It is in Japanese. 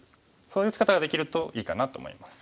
そういう打ち方ができるといいかなと思います。